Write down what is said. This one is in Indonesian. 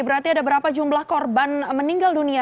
berarti ada berapa jumlah korban meninggal dunia